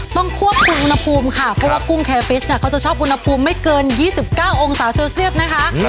ต้องควบคุมอุณหภูมิค่ะเพราะว่ากุ้งแคฟิสเนี่ยเขาจะชอบอุณหภูมิไม่เกิน๒๙องศาเซลเซียสนะคะ